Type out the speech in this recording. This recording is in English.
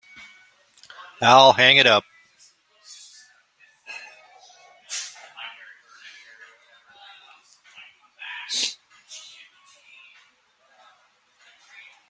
I'll hang it up.